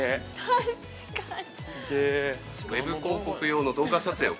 ◆確かに。